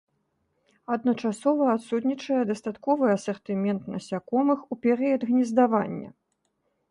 Адначасова адсутнічае дастатковы асартымент насякомых у перыяд гнездавання.